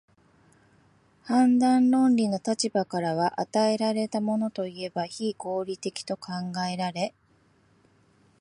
判断論理の立場からは、与えられたものといえば非合理的と考えられ、